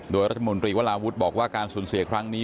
โดยรัฐมนตรีวราวุฒิบอกว่าการสูญเสียครั้งนี้